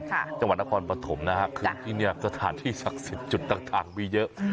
จังหวัดนครปฐมนะฮะคือที่นี่สถานที่ศักดิ์สิทธิ์จุดต่างมีเยอะ